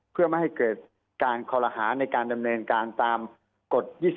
เพื่อไม่ให้เกิดการคอลหาในการดำเนินการตามกฎ๒๒